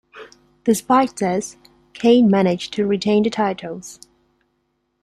Despite this, Kane managed to retain the titles.